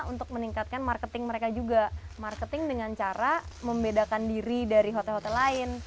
untuk meningkatkan marketing mereka juga marketing dengan cara membedakan diri dari hotel hotel lain